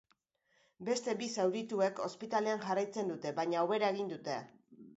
Beste bi zaurituek ospitalean jarraitzen dute, baina hobera egin dute.